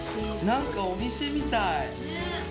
なんかお店みたい。